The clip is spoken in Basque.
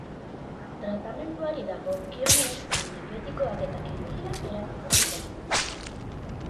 Tratamenduari dagokionez, antibiotikoak eta kirurgia erabiltzen dira.